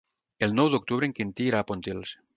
El nou d'octubre en Quintí irà a Pontils.